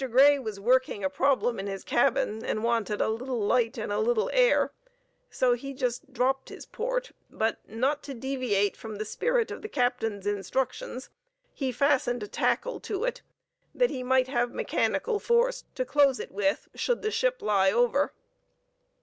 Grey was working a problem in his cabin, and wanted a little light and a little air, so he just dropped his port; but, not to deviate from the spirit of his captain's instructions, he fastened a tackle to it; that he might have mechanical force to close it with should the ship lie over.